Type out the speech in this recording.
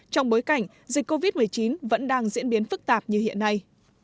trong bối cảnh dịch covid một mươi chín vẫn đang diễn biến phức tạp như hiện nay